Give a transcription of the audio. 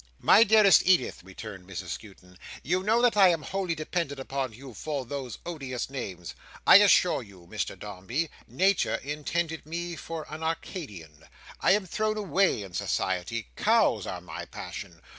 "My dearest Edith," returned Mrs Skewton, "you know that I am wholly dependent upon you for those odious names. I assure you, Mr Dombey, Nature intended me for an Arcadian. I am thrown away in society. Cows are my passion.